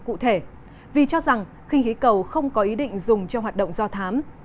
cụ thể vì cho rằng khinh khí cầu không có ý định dùng cho hoạt động do thám